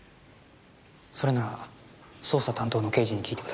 それなら捜査担当の刑事に訊いてください。